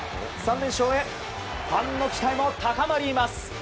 ３連勝へファンの期待も高まります。